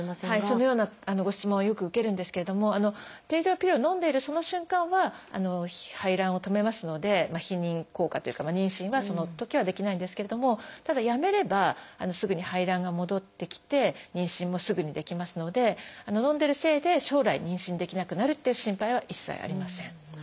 そのようなご質問はよく受けるんですけれども低用量ピルをのんでいるその瞬間は排卵を止めますので避妊効果というか妊娠はそのときはできないんですけれどもただやめればすぐに排卵が戻ってきて妊娠もすぐにできますのでのんでるせいで将来妊娠できなくなるっていう心配は一切ありません。